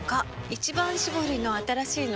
「一番搾り」の新しいの？